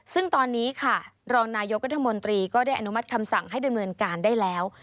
ซึ่งตอนนี้ค่ะรองนายกรัฐมนตรีก็ได้อนุมัติคำสั่งให้ดำเนินการได้แล้ว